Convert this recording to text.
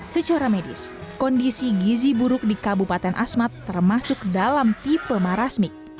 secara medis kondisi gizi buruk di kabupaten asmat termasuk dalam tipe marasmik